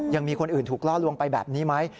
ยังมีคนอื่นถูกล่อลวงไปแบบนี้ไหม